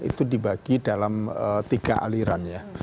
itu dibagi dalam tiga aliran ya